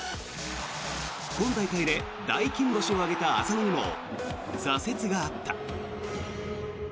今大会で大金星を挙げた浅野にも挫折があった。